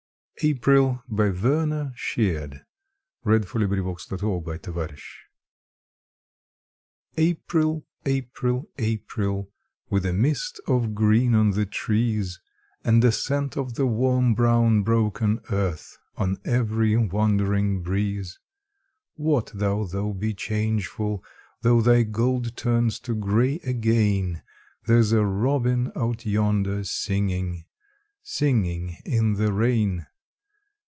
rple censers he'll set a swing, To perfume the twilight air. APRIL April! April! April! With a mist of green on the trees And a scent of the warm brown broken earth On every wandering breeze; What, though thou be changeful, Though thy gold turns to grey again, There's a robin out yonder singing, Singing in the rain.